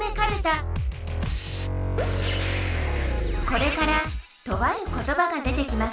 これからとあることばが出てきます。